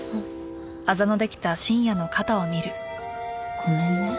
ごめんね。